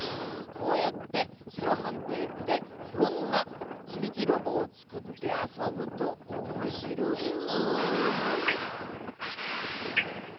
こうやってセロハンテープでいろんなつみきロボをつくってあそぶとおもしろいぞ。